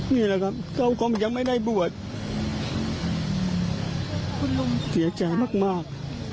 นี่แหละครับเขาก็ยังไม่ได้บวชเสียใจมาก